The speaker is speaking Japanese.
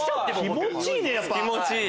気持ちいいね！